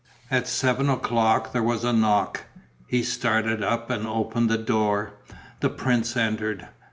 At seven o'clock there was a knock. He started up and opened the door; the prince entered.